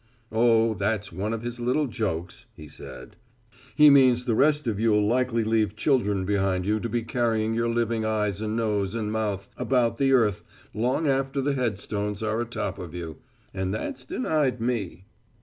"Oh, that's one of his little jokes," he said, "he means the rest of you'll likely leave children behind you to be carrying your living eyes and nose and mouth about the earth long after the headstones are atop of you and that's denied me."